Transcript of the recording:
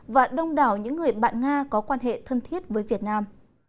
và đông đảo những người bạn nga có quan hệ thân thiết với việt nam